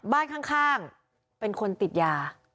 บ้านข้างเป็นคนติดยา